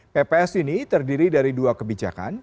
pps ini terdiri dari dua kebijakan